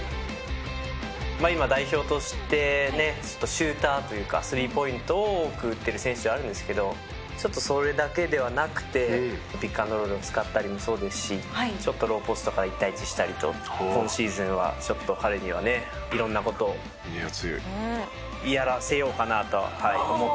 今代表としてねちょっとシューターというかスリーポイントを多く打っている選手ではあるんですけどちょっとそれだけではなくてピックアンドロールを使ったりもそうですしちょっとローポストから１対１したりと今シーズンはちょっと彼にはね色んな事をやらせようかなとは思っているので。